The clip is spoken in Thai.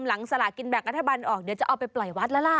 สลากินแบ่งรัฐบาลออกเดี๋ยวจะเอาไปปล่อยวัดแล้วล่ะ